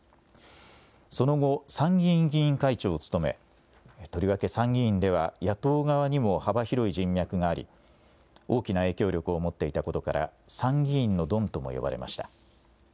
その後、参議院議員会長を務め、とりわけ参議院では、野党側にも幅広い人脈があり、大きな影響力を持っていたことから、参議院のドンとも呼ばれました。